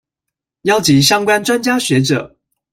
邀集相關專家學者